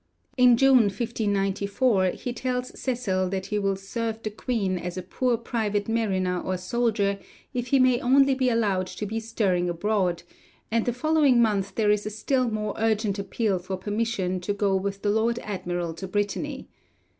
In June 1594 he tells Cecil that he will serve the Queen as a poor private mariner or soldier if he may only be allowed to be stirring abroad, and the following month there is a still more urgent appeal for permission to go with the Lord Admiral to Brittany.